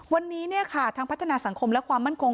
วันนี้ทางพัฒนาสังคมและความมั่นคง